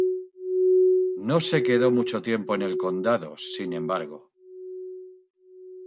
No se quedó mucho tiempo en el condado, sin embargo.